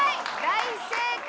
大正解！